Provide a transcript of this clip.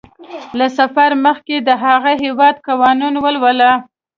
له سفر مخکې د هغه هیواد قوانین ولوله.